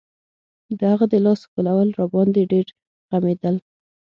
د هغه د لاس ښکلول راباندې ډېر غمېدل.